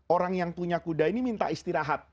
orang yang punya kuda ini minta istirahat